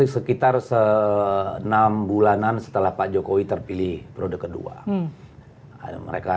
itu kan sekitar enam bulanan setelah pak jokowi terpilih prode kedua